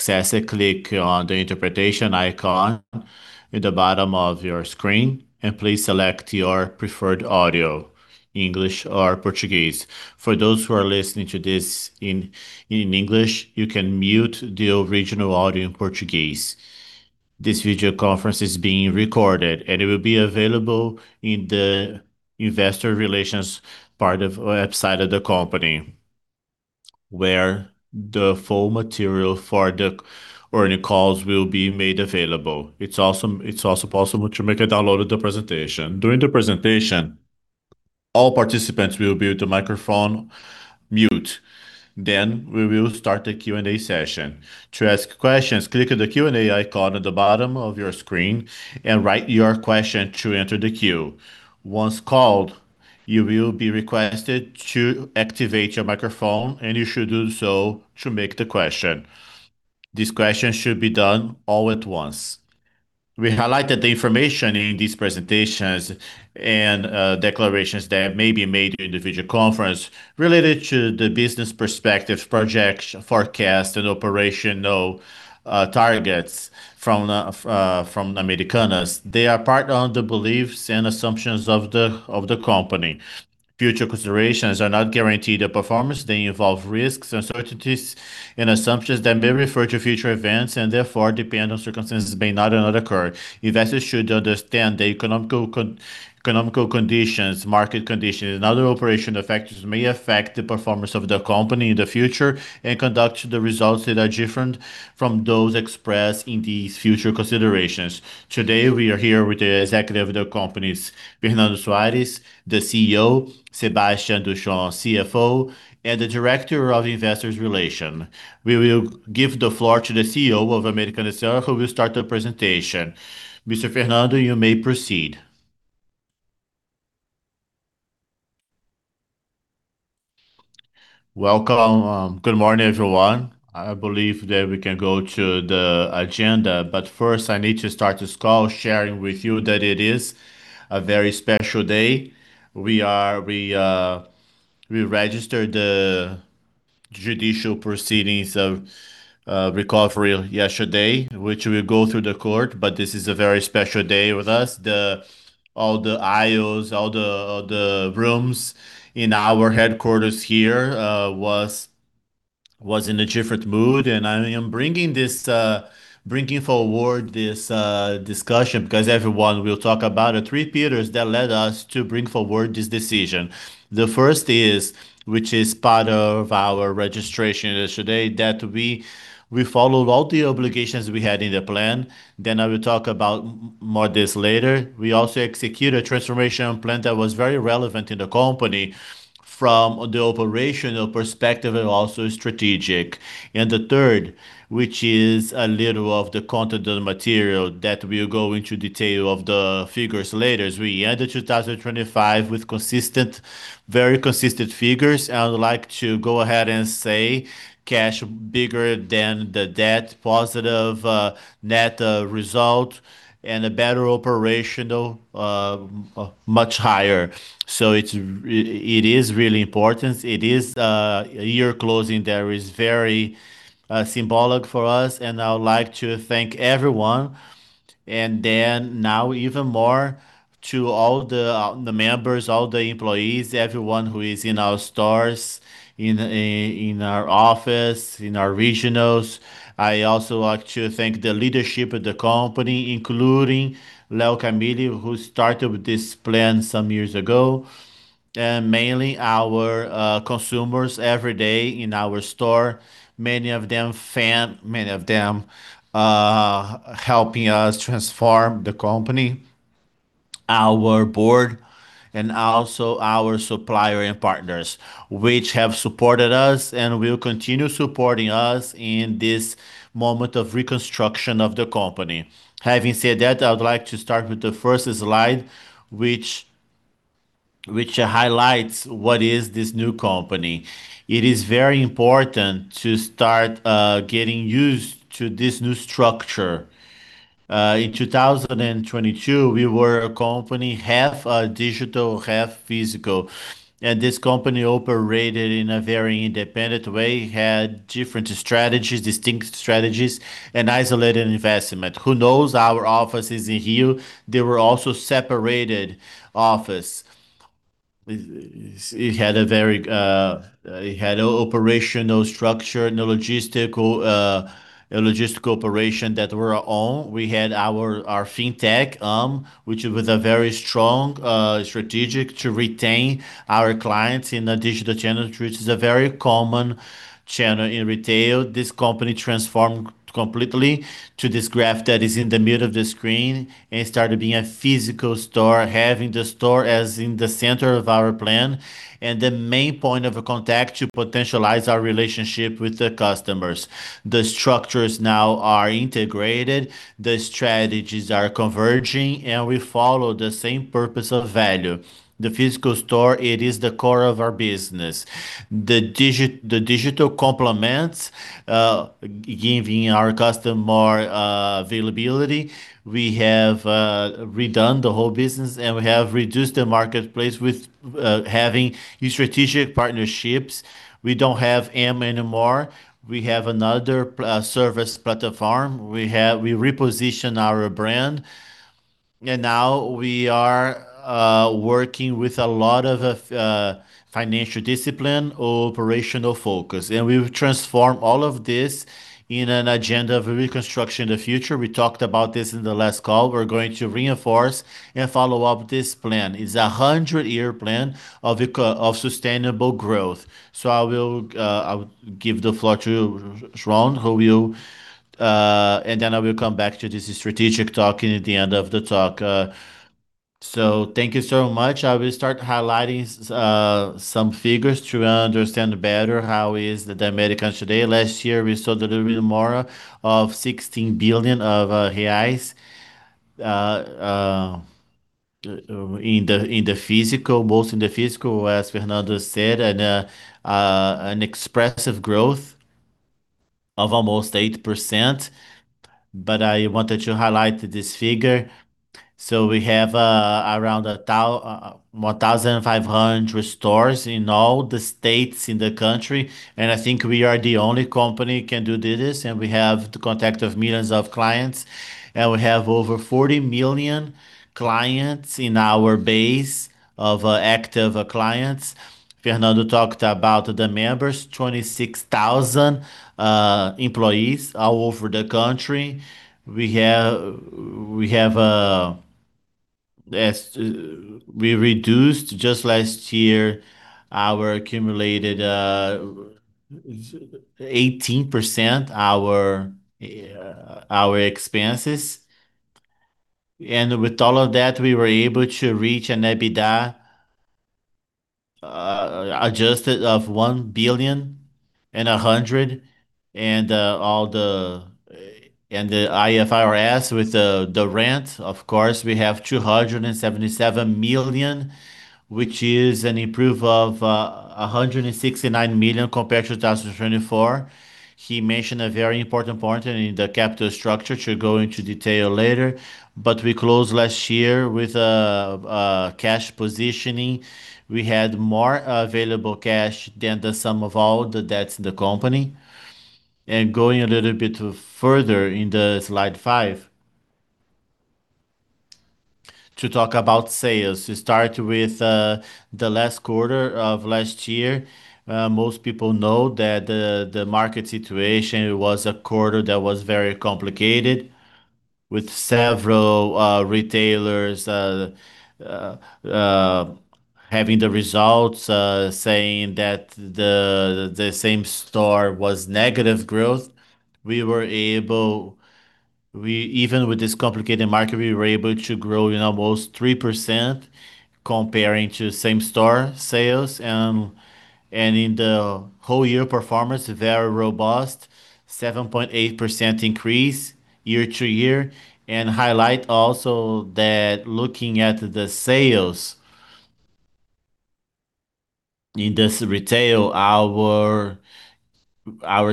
To access it, click on the interpretation icon at the bottom of your screen, and please select your preferred audio, English or Portuguese. For those who are listening to this in English, you can mute the original audio in Portuguese. This video conference is being recorded, and it will be available in the Investor Relations part of the website of the company, where the full material for the earnings calls will be made available. It's also possible to make a download of the presentation. During the presentation, all participants will be with their microphone-muted. We will start the Q&A session. To ask questions, click the Q&A icon at the bottom of your screen and write your question to enter the queue. Once called, you will be requested to activate your microphone, and you should do so to make the question. These questions should be done all at once. We highlight that the information in these presentations and declarations that may be made during the video conference related to the business perspective, projects, forecast, and operational targets from Americanas, they are part of the beliefs and assumptions of the company. Future considerations are not a guarantee of performance. They involve risks, uncertainties, and assumptions that may refer to future events and therefore depend on circumstances may not occur. Investors should understand the economic conditions, market conditions, and other operational factors may affect the performance of the company in the future and actual results that are different from those expressed in these future considerations. Today, we are here with the executives of the company, Fernando Soares, CEO, Sébastien Durchon, CFO, and the Director of Investor Relations. We will give the floor to the CEO of Americanas, sir, who will start the presentation. Mr. Fernando, you may proceed. Welcome. Good morning, everyone. I believe that we can go to the agenda. First, I need to start this call sharing with you that it is a very special day. We registered the judicial recovery proceedings yesterday, which will go through the court, but this is a very special day with us. All the aisles, all the rooms in our headquarters here was in a different mood. I am bringing forward this discussion because everyone will talk about the three pillars that led us to bring forward this decision. The first is, which is part of our registration yesterday, that we followed all the obligations we had in the plan. I will talk more about this later. We also execute a transformation plan that was very relevant in the company from the operational perspective and also strategic. The third, which is a little of the content of the material that we'll go into detail of the figures later. As we end 2025 with consistent, very consistent figures, I would like to go ahead and say cash bigger than the debt, positive net result and a better operational, much higher. It is really important. It is a year closing that is very symbolic for us, and I would like to thank everyone. Now even more to all the members, all the employees, everyone who is in our stores, in our office, in our regionals. I also want to thank the leadership of the company, including [Leonardo Coelho], who started this plan some years ago. Mainly our consumers every day in our store, many of them fans, many of them helping us transform the company. Our Board and also our suppliers and partners, which have supported us and will continue supporting us in this moment of reconstruction of the company. Having said that, I would like to start with the first slide, which highlights what is this new company. It is very important to start getting used to this new structure. In 2022, we were a company half digital, half physical, and this company operated in a very independent way, had different strategies, distinct strategies, and isolated investment. Who knows our offices here, they were also separated offices. It had a very- It had no operational structure, no logistical operation that were our own. We had our FinTech, which was a very strong strategic to retain our clients in the digital channel, which is a very common channel in retail. This company transformed completely to this graph that is in the middle of the screen and started being a physical store, having the store as in the center of our plan and the main point of contact to potentialize our relationship with the customers. The structures now are integrated, the strategies are converging, and we follow the same purpose of value. The physical store, it is the core of our business. The digital complements, giving our customer more availability. We have redone the whole business, and we have reduced the marketplace with having new strategic partnerships. We don't have M anymore. We have another service platform. We reposition our brand. Now we are working with a lot of financial discipline, operational focus. We've transformed all of this in an agenda of reconstruction in the future. We talked about this in the last call. We're going to reinforce and follow up this plan. It's a 100-year plan of sustainable growth. I will give the floor to [Durchon], who will. I will come back to this strategic talk in the end of the talk. Thank you so much. I will start highlighting some figures to understand better how Americanas is today. Last year, we saw the delivery of more than 16 billion reais in the physical, as Fernando said, and an expressive growth of almost 8%. I wanted to highlight this figure. We have around 1,500 stores in all the states in the country, and I think we are the only company can do this, and we have the contact of millions of clients. We have over 40 million clients in our base of active clients. Fernando talked about the members, 26,000 employees all over the country. We reduced just last year our accumulated 18% our expenses. With all of that, we were able to reach an EBITDA adjusted of 1.1 billion. The IFRS with the rent, of course, we have 277 million, which is an improvement of 169 million compared to 2024. He mentioned a very important point in the capital structure to go into detail later. We closed last year with a cash position. We had more available cash than the sum of all the debts of the company. Going a little bit further in slide five to talk about sales. We start with the last quarter of last year. Most people know that the market situation was a quarter that was very complicated with several retailers having the results saying that the same-store sales were negative growth. Even with this complicated market, we were able to grow almost 3% comparing to same-store sales. In the whole year performance, very robust, 7.8% increase year-over-year. Highlight also that looking at the sales in this retail, our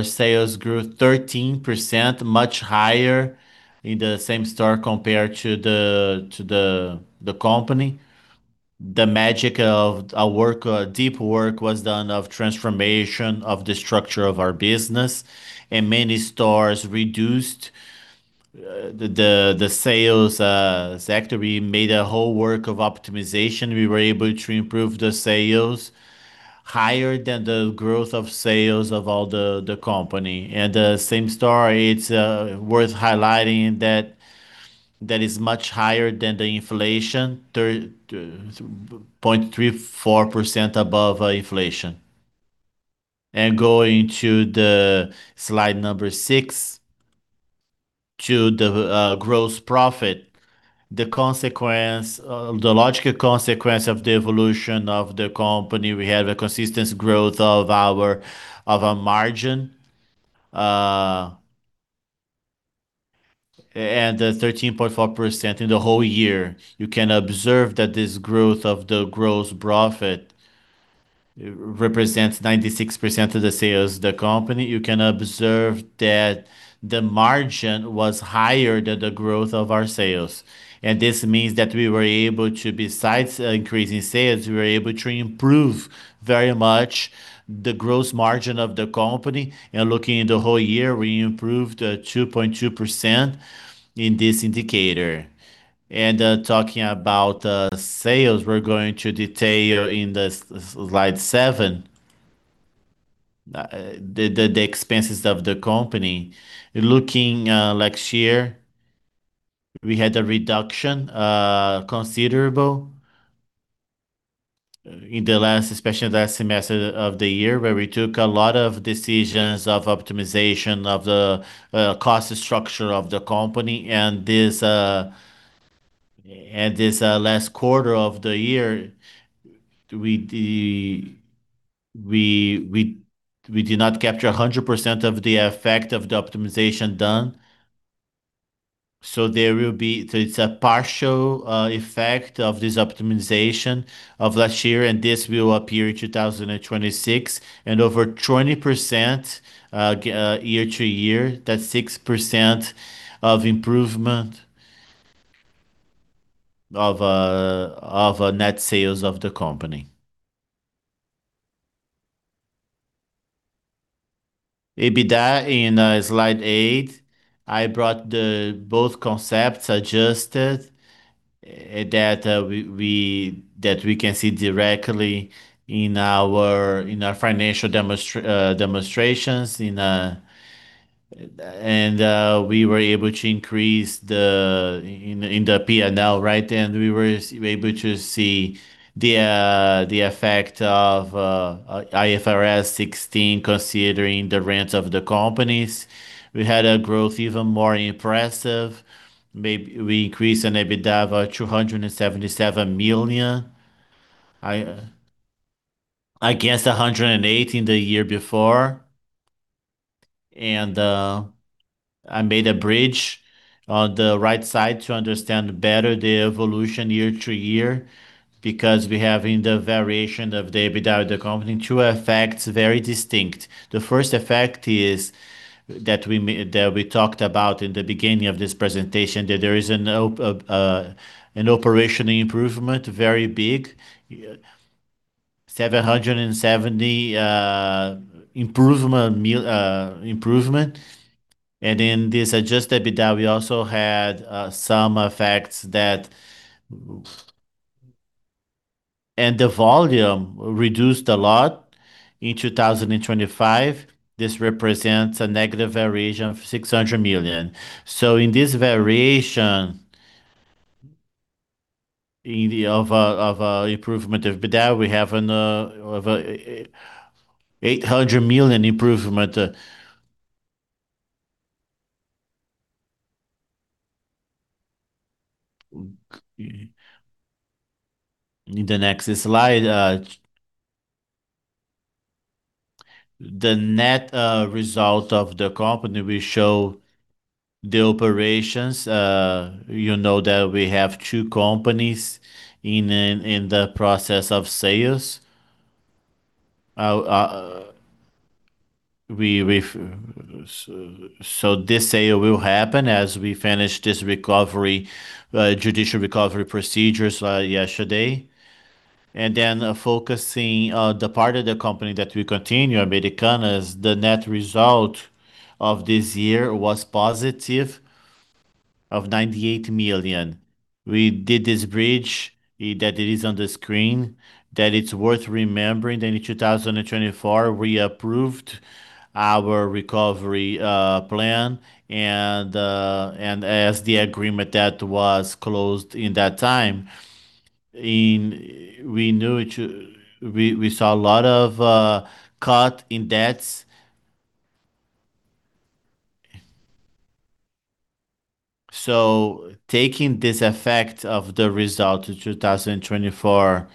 sales grew 13% much higher in the same-store compared to the company. The magic of our work, deep work was done of transformation of the structure of our business, and many stores reduced the sales sector. We made a whole work of optimization. We were able to improve the sales higher than the growth of sales of the company. Same-store, it's worth highlighting that it is much higher than the inflation, 3.4% above inflation. Going to the slide six, to the gross profit. The logical consequence of the evolution of the company, we have a consistent growth of our margin, and a 13.4% in the whole year. You can observe that this growth of the gross profit represents 96% of the sales of the company. You can observe that the margin was higher than the growth of our sales. This means that we were able to, besides increasing sales, improve very much the gross margin of the company. Looking in the whole year, we improved 2.2% in this indicator. Talking about sales, we're going to detail in the slide seven the expenses of the company. Looking last year, we had a considerable reduction in the last, especially the last semester of the year, where we took a lot of decisions of optimization of the cost structure of the company. This last quarter of the year, we did not capture 100% of the effect of the optimization done. It's a partial effect of this optimization of last year, and this will appear in 2026. Over 20% year-over-year, that's 6% improvement of net sales of the company. EBITDA in slide 8, I brought both concepts Adjusted that we can see directly in our financial demonstrations. We were able to increase in the P&L, right? We were able to see the effect of IFRS 16 considering the rent of the companies. We had a growth even more impressive. We increased the EBITDA about 277 million against 108 million in the year before. I made a bridge on the right side to understand better the evolution year-over-year because we have in the variation of the EBITDA of the company two effects very distinct. The first effect is that we talked about in the beginning of this presentation, that there is an operational improvement, very big. Yeah. 770 improvement. In this Adjusted EBITDA, we also had some effects that the volume reduced a lot in 2025. This represents a negative variation of 600 million. In this variation of improvement of EBITDA, we have a 800 million improvement. In the next slide, the net result of the company will show the operations. You know that we have two companies in the process of sales. We this sale will happen as we finish this Judicial Recovery procedures yesterday. Focusing on the part of the company that we continue, Americanas, the net result of this year was positive 98 million. We did this bridge, that it is on the screen, that it's worth remembering that in 2024 we approved our recovery plan and as the agreement that was closed in that time, we knew it we saw a lot of cut in debts. Taking this effect of the result of 2024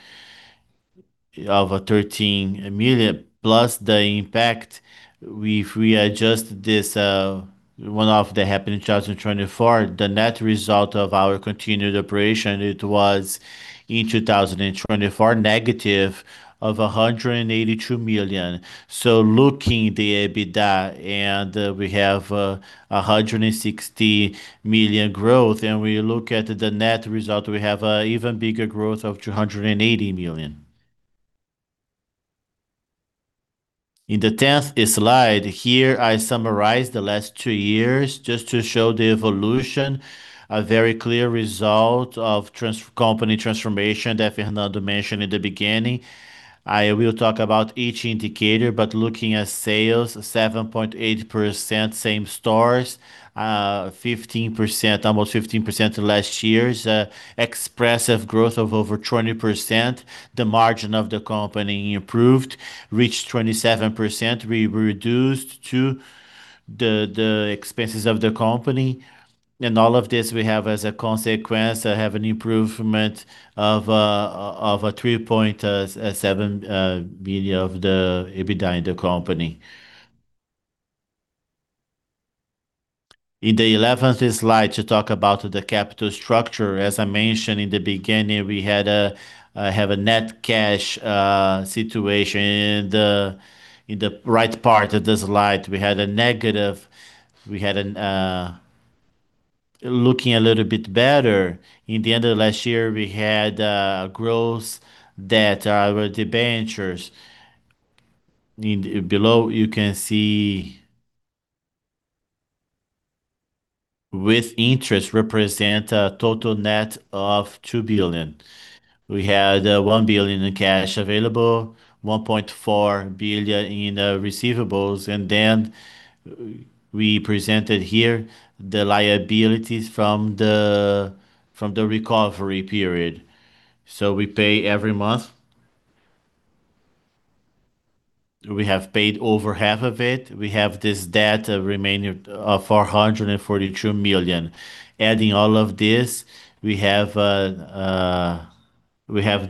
of 13 million plus the impact if we adjust this one-off that happened in 2024, the net result of our continued operation, it was in 2024 negative of 182 million. Looking at the EBITDA and we have 160 million growth, and we look at the net result, we have an even bigger growth of 280 million. In the 10th slide here, I summarized the last two years just to show the evolution, a very clear result of the company's transformation that Fernando mentioned in the beginning. I will talk about each indicator, but looking at sales, 7.8% same stores, 15%, almost 15% to last year's, expressive growth of over 20%. The margin of the company improved, reached 27%. We reduced the expenses of the company. All of this we have as a consequence, have an improvement of 3.7 million of the EBITDA in the company. In the 11th slide to talk about the capital structure. As I mentioned in the beginning, we have a net cash situation in the right part of the slide. Looking a little bit better in the end of last year, we had gross debt. Our debentures below you can see, with interest, represent a total debt of 2 billion. We had 1 billion in cash available, 1.4 billion in receivables. Then we presented here the liabilities from the recovery period. We pay every month. We have paid over half of it. We have this debt remaining of 442 million. Adding all of this, we have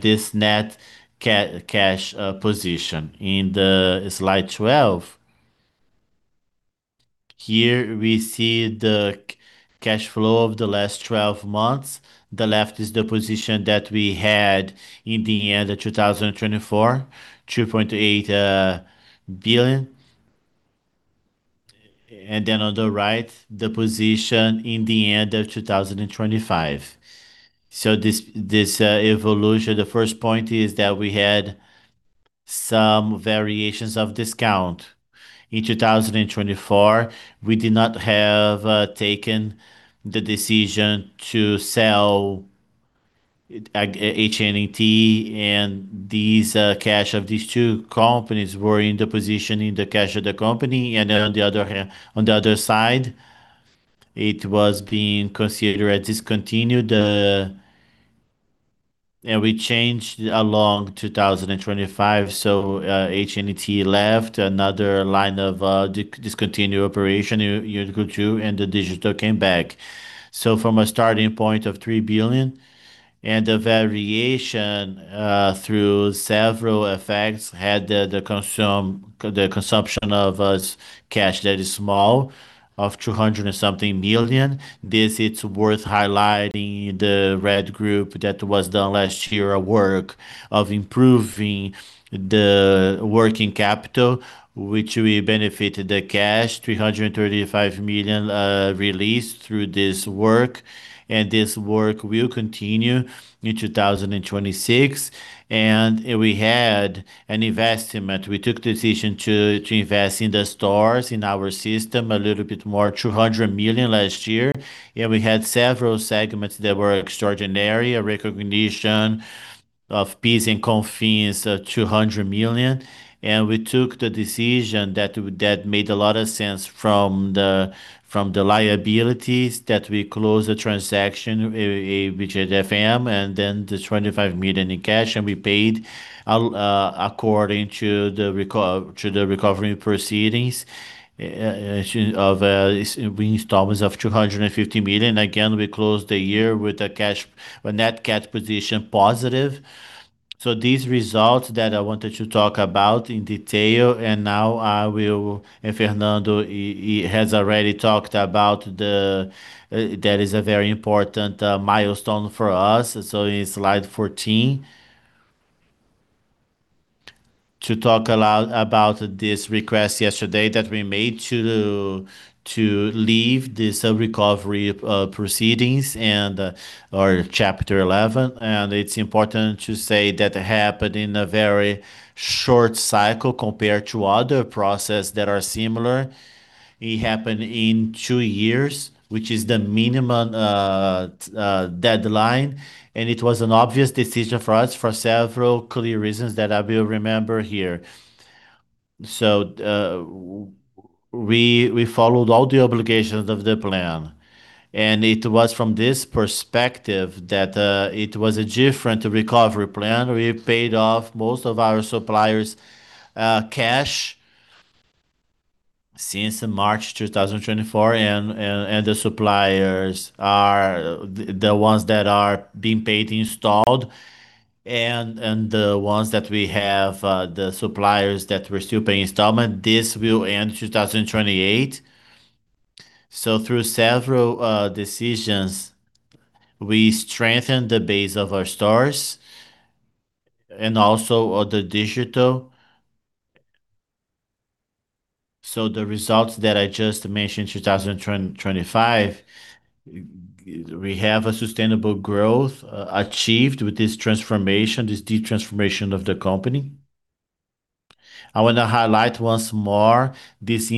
this net cash position. In slide 12, here we see the cash flow of the last 12 months. The left is the position that we had in the end of 2024, 2.8 billion. On the right, the position in the end of 2025. This evolution, the first point is that we had some variations of discount. In 2024, we did not have taken the decision to sell HNET and this cash of these two companies were in the position in the cash of the company. On the other side, it was being considered a discontinued. We changed along 2025, HNET left another line of discontinued operation in year two, and the digital came back. From a starting point of 3 billion and a variation through several effects had the consumption of cash that is small of 200-something million. This, it's worth highlighting the reorg that was done last year, a work of improving the working capital, which will benefit the cash, 335 million released through this work. This work will continue in 2026. We had an investment. We took the decision to invest in the stores, in our system a little bit more, 200 million last year. Yeah, we had several segments that were extraordinary, a recognition of PIS and COFINS of 200 million. We took the decision that made a lot of sense from the liabilities that we closed the transaction with FM, and then the 25 million in cash. We paid out according to the recovery proceedings these installments of 250 million. Again, we closed the year with a net cash position positive. These results that I wanted to talk about in detail, and now I will. Fernando has already talked about that is a very important milestone for us. In slide 14 to talk a lot about this request yesterday that we made to leave this recovery proceedings and or Chapter 11. It's important to say that happened in a very short cycle compared to other processes that are similar. It happened in two years, which is the minimum deadline. It was an obvious decision for us for several clear reasons that I will mention here. We followed all the obligations of the plan, and it was from this perspective that it was a different recovery plan. We paid off most of our suppliers in cash since March 2024, and the suppliers are the ones that are being paid in installments and the ones that we have, the suppliers that we're still paying in installments. This will end 2028. Through several decisions, we strengthened the base of our stores and also of the digital. The results that I just mentioned, 2025, we have a sustainable growth achieved with this transformation, this deep transformation of the company. I wanna highlight once more this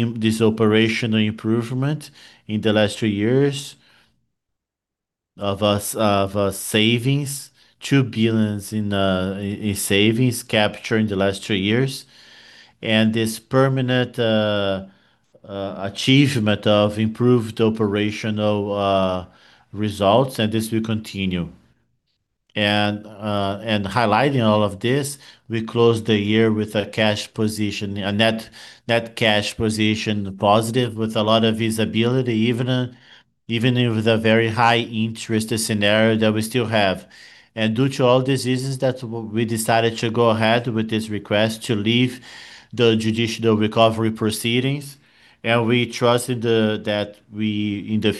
operational improvement in the last two years, of savings, 2 billion in savings captured in the last two years. This permanent achievement of improved operational results, and this will continue. Highlighting all of this, we closed the year with a cash position, a net cash position positive with a lot of visibility, even with a very high interest scenario that we still have. Due to all these reasons that we decided to go ahead with this request to leave the Judicial Recovery proceedings. We trusted that we in the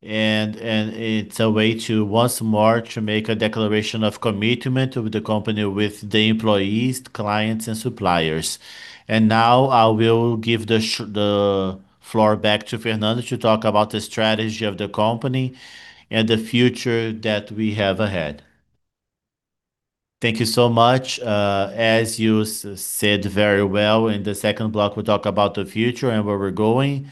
future, and it's a way to once more to make a declaration of commitment of the company with the employees, clients and suppliers. Now I will give the floor back to Fernando to talk about the strategy of the company and the future that we have ahead. Thank you so much. As you said very well, in the second block, we'll talk about the future and where we're going.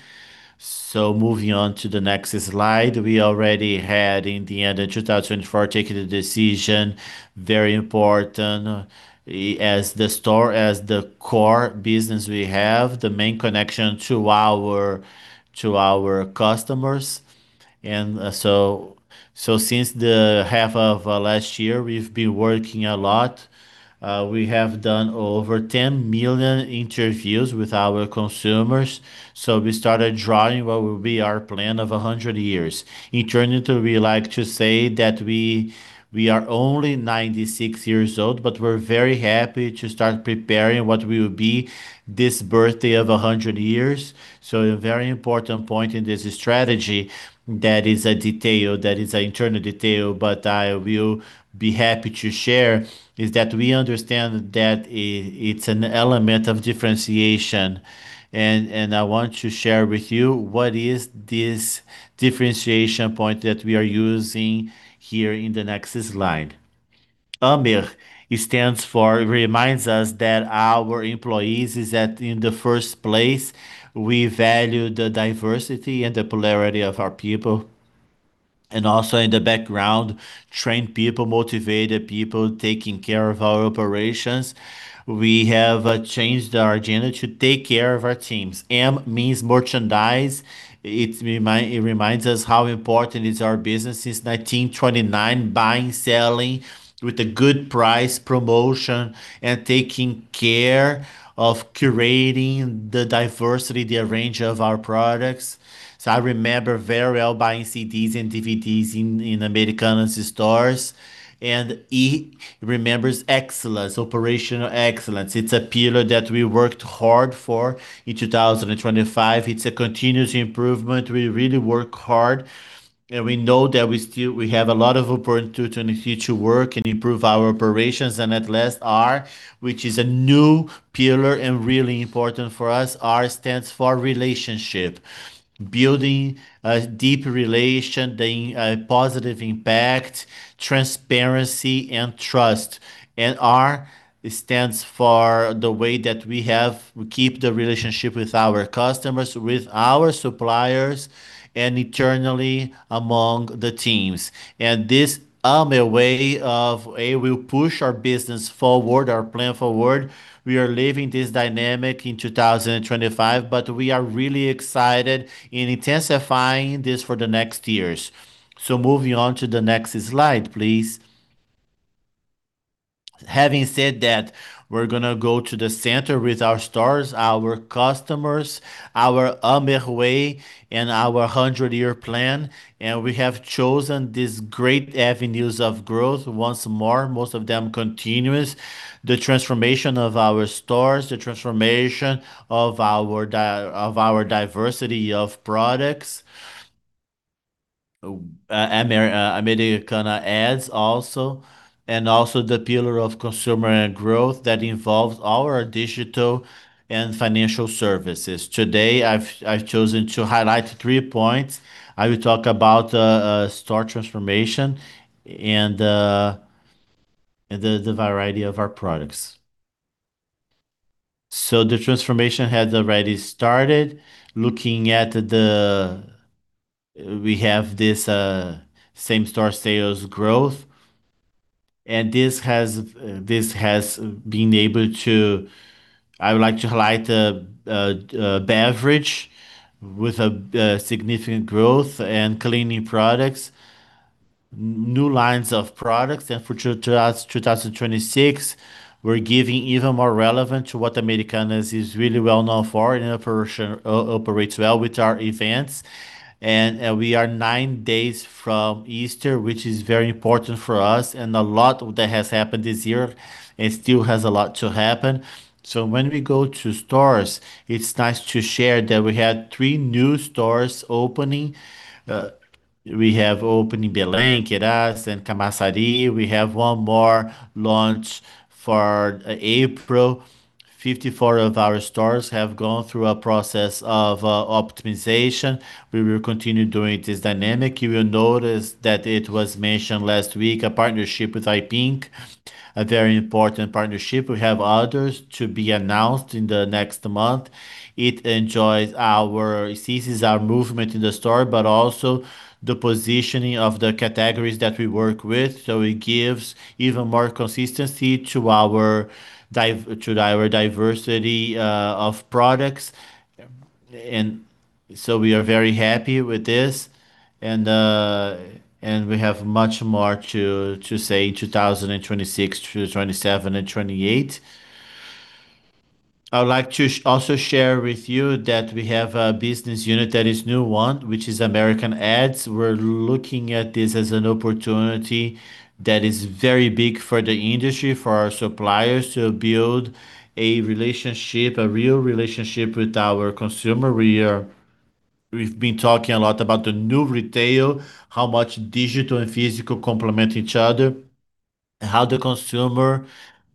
Moving on to the next slide. We already had in the end of 2024, taken the decision, very important, as the store, as the core business we have, the main connection to our customers. So since the half of last year, we've been working a lot. We have done over 10 million interviews with our consumers. We started drawing what will be our plan of 100 years. Internally, we like to say that we are only 96 years old, but we're very happy to start preparing what will be this birthday of 100 years. A very important point in this strategy that is a detail, that is an internal detail, but I will be happy to share, is that we understand that it's an element of differentiation and I want to share with you what is this differentiation point that we are using here in the next slide. AMER stands for. It reminds us that our employees are in the first place, we value the diversity and the plurality of our people, and also in the background, trained people, motivated people, taking care of our operations. We have changed our agenda to take care of our teams. M means Merchandise. It reminds us how important is our business since 1929, buying, selling with a good price promotion and taking care of curating the diversity, the range of our products. I remember very well buying CDs and DVDs in Americanas stores. E remembers Excellence, Operational Excellence. It's a pillar that we worked hard for in 2025. It's a continuous improvement. We really work hard, and we know that we have a lot of opportunity to work and improve our operations. At last, R, which is a new pillar and really important for us. R stands for Relationship. Building a deep relation, building a positive impact, transparency and trust. R stands for the way that we keep the relationship with our customers, with our suppliers, and eternally among the teams. This AMER way will push our business forward, our plan forward. We are leaving this dynamic in 2025, but we are really excited in intensifying this for the next years. Moving on to the next slide, please. Having said that, we're gonna go to the center with our stores, our customers, our AMER way and our 100-year plan. We have chosen these great avenues of growth once more, most of them continuous. The transformation of our stores, the transformation of our diversity of products, Americanas Ads also, and also the pillar of consumer and growth that involves our digital and financial services. Today, I've chosen to highlight three points. I will talk about store transformation and the variety of our products. The transformation has already started. Looking at the we have this same-store sales growth, and this has been able to. I would like to highlight beverage with a significant growth and cleaning products. New lines of products. For 2026, we're giving even more relevant to what Americanas is really well known for and operates well with our events. We are nine days from Easter, which is very important for us, and a lot that has happened this year and still has a lot to happen. When we go to stores, it's nice to share that we had three new stores opening. We have opened in Belém, Queiroz and Camaçari. We have one more launch for April. 54 of our stores have gone through a process of optimization. We will continue doing this dynamically. You will notice that it was mentioned last week, a partnership with [iPlace], a very important partnership. We have others to be announced in the next month. It eases our movement in the store, but also the positioning of the categories that we work with. It gives even more consistency to our diversity of products. We are very happy with this. We have much more to say, 2026 to 2027 and 2028. I would like to also share with you that we have a business unit that is new one, which is Americanas Ads. We're looking at this as an opportunity that is very big for the industry, for our suppliers to build a relationship, a real relationship with our consumer. We've been talking a lot about the new retail, how much digital and physical complement each other, how the consumer,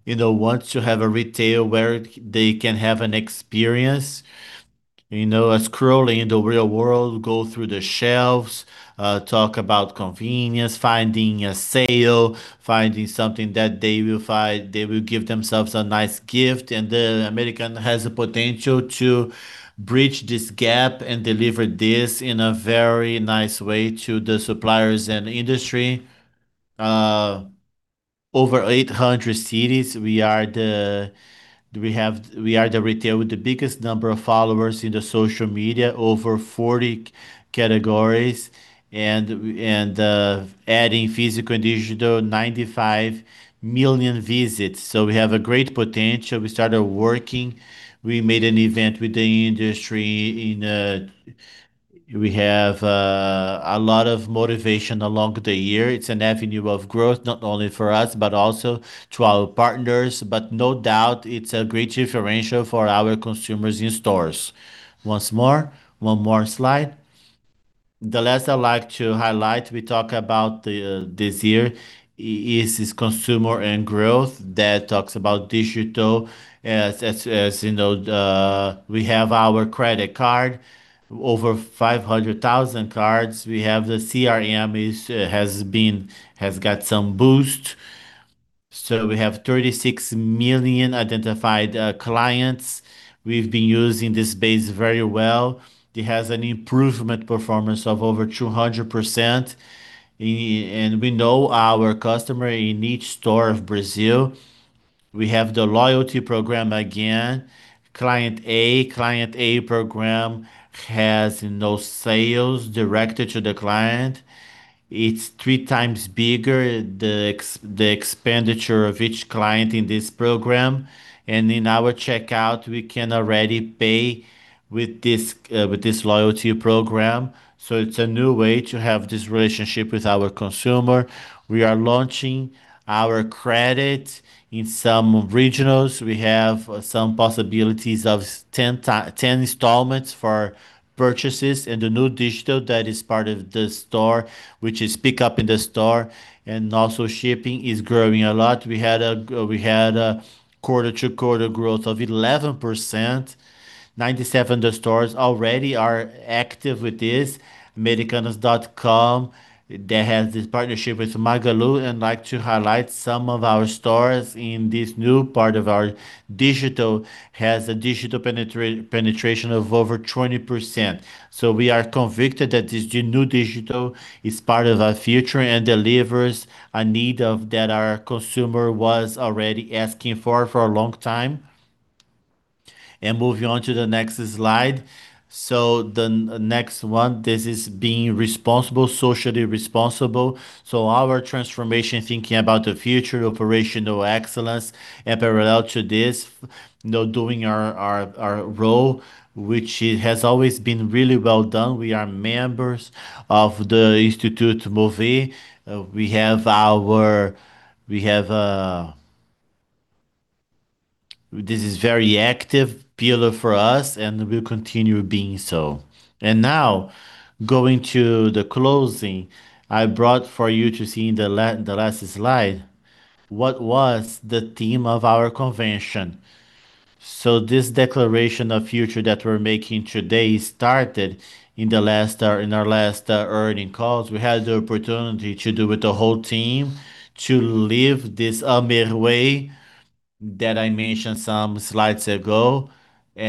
you know, wants to have a retail where they can have an experience, you know, scrolling in the real world, go through the shelves, talk about convenience, finding a sale, finding something that they will find they will give themselves a nice gift. Americanas has the potential to bridge this gap and deliver this in a very nice way to the suppliers and industry. Over 800 cities, we are the retail with the biggest number of followers in the social media, over 40 categories and adding physical and digital, 95 million visits. We have a great potential. We started working. We made an event with the industry. We have a lot of motivation along the year. It's an avenue of growth, not only for us, but also to our partners. No doubt, it's a great differential for our consumers in stores. Once more, one more slide. The last I'd like to highlight. We talk about the this year is this consumer and growth that talks about digital. As you know, we have our credit card, over 500,000 cards. The CRM has got some boost. We have 36 million identified clients. We've been using this base very well. It has an improvement performance of over 200%. We know our customer in each store of Brazil. We have the loyalty program again. Cliente A. Cliente A program has no sales directed to the client. It's 3x bigger, the expenditure of each client in this program. In our checkout, we can already pay with this loyalty program, so it's a new way to have this relationship with our consumer. We are launching our credit in some regionals. We have some possibilities of 10 installments for purchases. The new digital that is part of the store, which is pick up in the store and also shipping, is growing a lot. We had a quarter-to-quarter growth of 11%. 97 of the stores already are active with this. americanas.com that has this partnership with Magalu. I'd like to highlight some of our stores in this new part of our digital has a digital penetration of over 20%. We are convinced that this new digital is part of our future and delivers a need that our consumer was already asking for a long time. Moving on to the next slide. The next one, this is being responsible, socially responsible. Our transformation, thinking about the future, operational excellence. Parallel to this, you know, doing our role, which it has always been really well done. We are members of the Instituto MOVER. This is very active pillar for us, and will continue being so. Now, going to the closing, I brought for you to see in the last slide what was the theme of our convention. This declaration of future that we're making today started in the last, in our last, earnings calls. We had the opportunity to do with the whole team to live this AMER way that I mentioned some slides ago.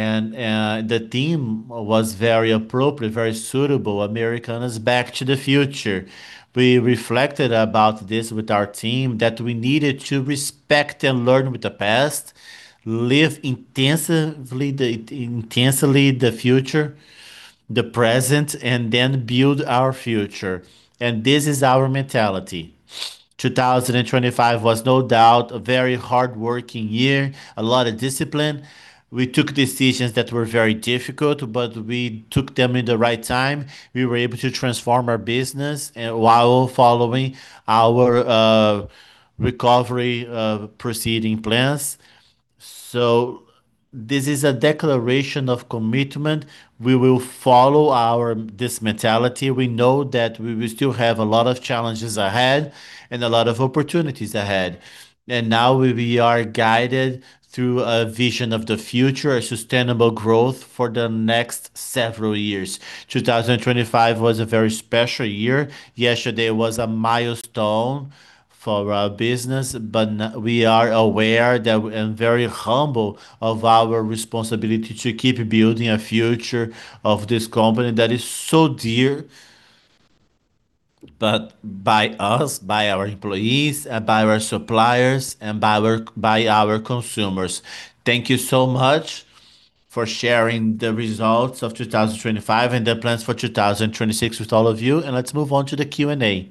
The theme was very appropriate, very suitable, Americanas back to the future. We reflected about this with our team, that we needed to respect and learn with the past, live intensely the future, the present, and then build our future. This is our mentality. 2025 was no doubt a very hardworking year. A lot of discipline. We took decisions that were very difficult, but we took them in the right time. We were able to transform our business, while following our recovery proceeding plans. This is a declaration of commitment. We will follow this mentality. We know that we will still have a lot of challenges ahead and a lot of opportunities ahead. Now we are guided through a vision of the future, a sustainable growth for the next several years. 2025 was a very special year. Yesterday was a milestone for our business, we are aware that and very humble of our responsibility to keep building a future of this company that is so dear by us, by our employees, and by our consumers. Thank you so much for sharing the results of 2025 and the plans for 2026 with all of you. Let's move on to the Q&A.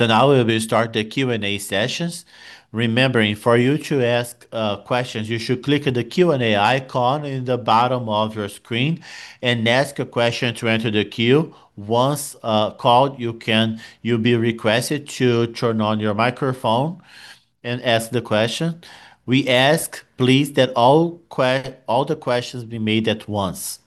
Now we will start the Q&A sessions. Remembering, for you to ask questions, you should click the Q&A icon in the bottom of your screen and ask a question to enter the queue. Once called, you'll be requested to turn on your microphone and ask the question. We ask, please, that all the questions be made at once.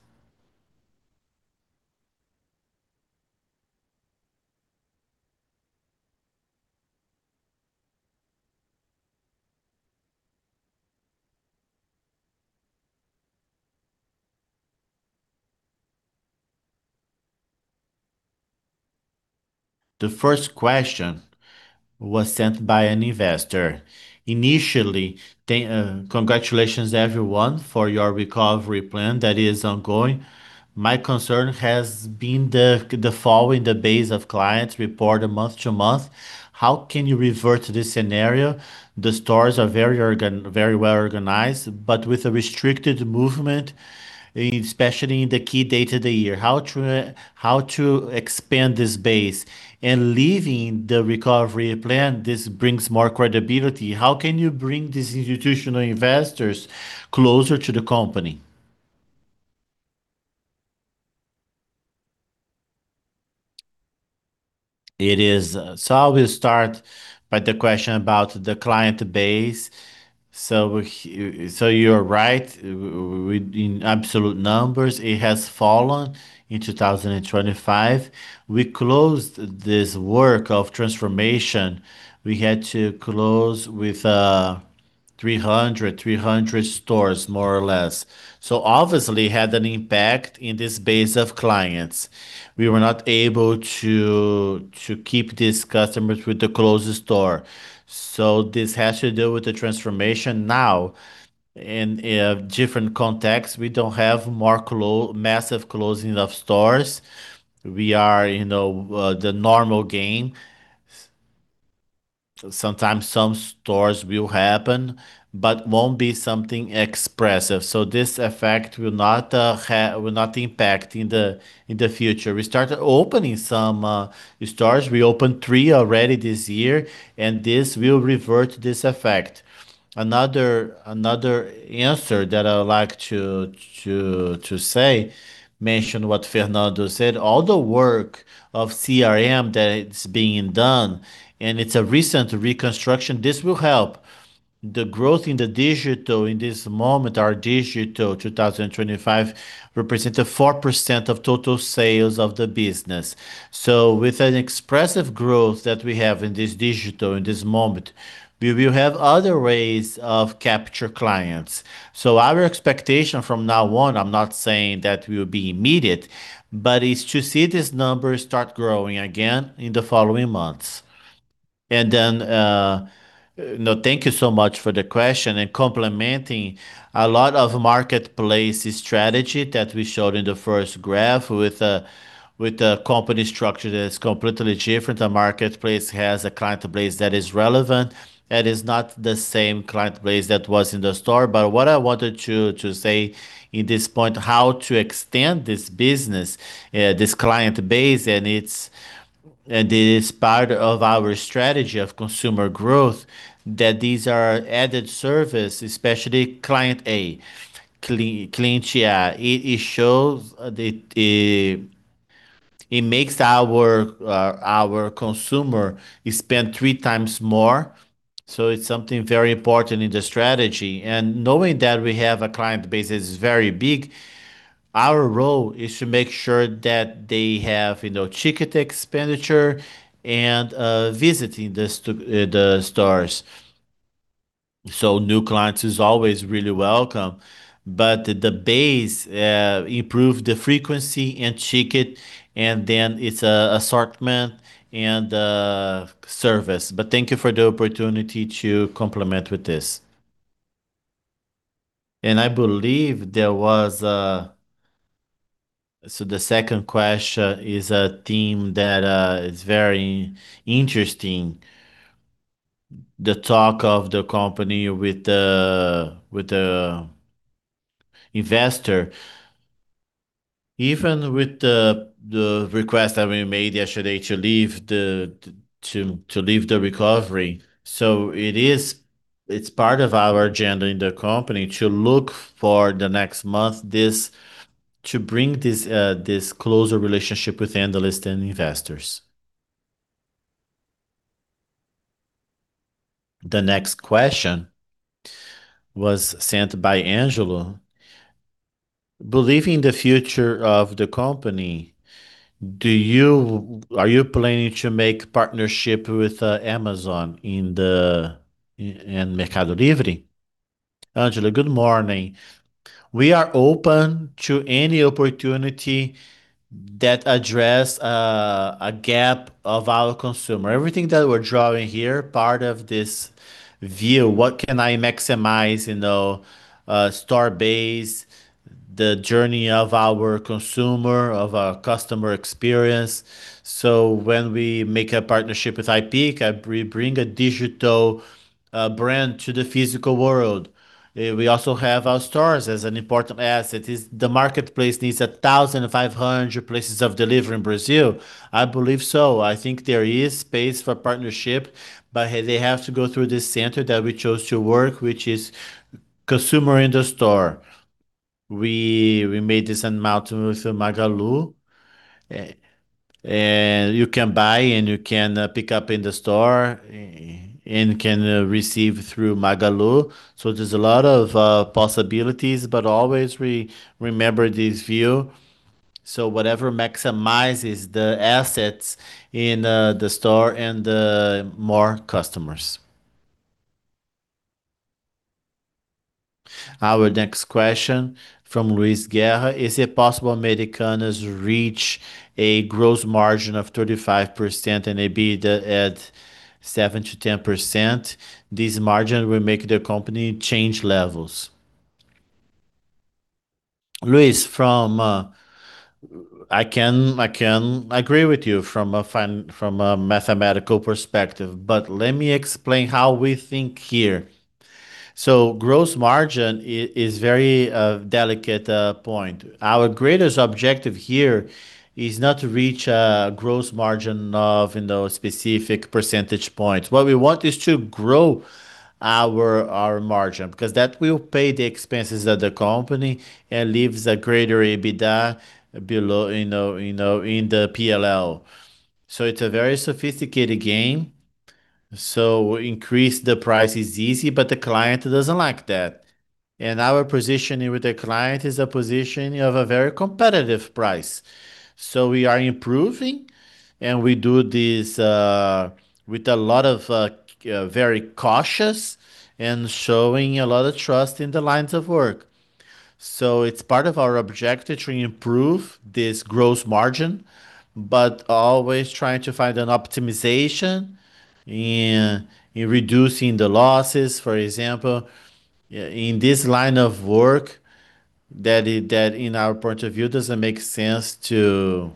The first question was sent by an investor. Initially, congratulations, everyone, for your recovery plan that is ongoing. My concern has been the fall in the base of clients reported month-to-month. How can you revert this scenario? The stores are very well organized, but with a restricted movement, especially in the key date of the year. How to expand this base? Leaving the recovery plan, this brings more credibility. How can you bring these institutional investors closer to the company? I will start by the question about the client base. You're right. Within absolute numbers, it has fallen in 2025. We closed this work of transformation. We had to close with 300 stores, more or less. Obviously had an impact in this base of clients. We were not able to keep these customers with the closed store. This has to do with the transformation now. In a different context, we don't have more massive closing of stores. We are, you know, the normal gain. Sometimes some stores will happen, but won't be something expressive. This effect will not impact in the future. We started opening some stores. We opened three already this year, and this will revert this effect. Another answer that I would like to say, mention what Fernando said. All the work of CRM that it's being done, and it's a recent reconstruction, this will help the growth in the digital. In this moment, our digital 2025 represents 4% of total sales of the business. With an expressive growth that we have in this digital in this moment, we will have other ways of capture clients. Our expectation from now on, I'm not saying that will be immediate, but it's to see these numbers start growing again in the following months. Thank you so much for the question and complementing a lot of marketplace strategy that we showed in the first graph with a company structure that's completely different. The marketplace has a client base that is relevant, that is not the same client base that was in the store. What I wanted to say in this point, how to extend this business, this client base and it is part of our strategy of consumer growth, that these are added service, especially Cliente A, Cliente A. It shows that it makes our consumer spend three times more. It's something very important in the strategy. Knowing that we have a client base that is very big, our role is to make sure that they have, you know, ticket expenditure and visiting the stores. New clients is always really welcome. The base, improve the frequency and ticket, and then it's assortment and service. Thank you for the opportunity to complement with this. I believe there was. The second question is a theme that is very interesting. The talk of the company with the investor. Even with the request that we made yesterday to leave the recovery. It's part of our agenda in the company to look for the next month to bring this closer relationship with analysts and investors. The next question was sent by Angelo. Believing the future of the company, are you planning to make partnership with Amazon in Mercado Livre? Angelo, good morning. We are open to any opportunity that address a gap of our consumer. Everything that we're drawing here, part of this view, what can I maximize, you know, store base, the journey of our consumer, of our customer experience. When we make a partnership with [iPlace], we bring a digital brand to the physical world. We also have our stores as an important asset. As the marketplace needs 1,500 places of delivery in Brazil. I believe so. I think there is space for partnership, but they have to go through this center that we chose to work, which is consumer in the store. We made this announcement with Magalu. And you can buy and you can pick up in the store and can receive through Magalu. So there's a lot of possibilities, but always we remember this view. So whatever maximizes the assets in the store and more customers. Our next question from Luiz Guanais. Is it possible Americanas reach a gross margin of 35% and EBITDA at 7%-10%? This margin will make the company change levels. Luiz, I can agree with you from a mathematical perspective, but let me explain how we think here. Gross margin is very delicate point. Our greatest objective here is not to reach a gross margin of, you know, specific percentage points. What we want is to grow our margin because that will pay the expenses of the company and leaves a greater EBITDA below, you know, in the P&L. It's a very sophisticated game. Increase the price is easy, but the client doesn't like that. Our positioning with the client is a positioning of a very competitive price. We are improving, and we do this with a lot of caution, very cautious and showing a lot of trust in the lines of work. It's part of our objective to improve this gross margin, but always trying to find an optimization in reducing the losses, for example, in this line of work that in our point of view, doesn't make sense to,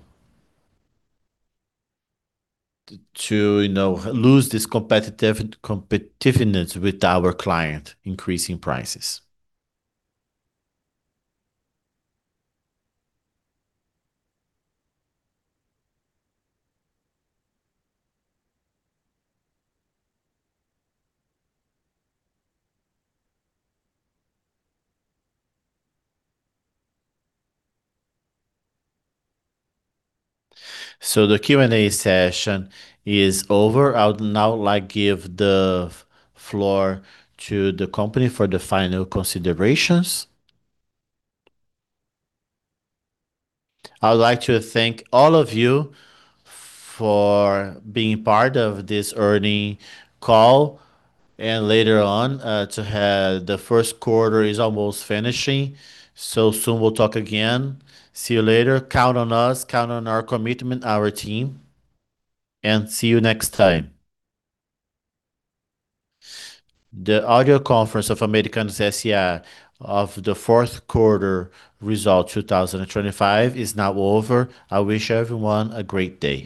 you know, lose this competitiveness with our client increasing prices. The Q&A session is over. I would now like to give the floor to the company for the final considerations. I would like to thank all of you for being part of this earnings call and later on, the first quarter is almost finishing. Soon we'll talk again. See you later. Count on us. Count on our commitment, our team, and see you next time. The audio conference of Americanas S.A. of the fourth quarter results 2025 is now over. I wish everyone a great day.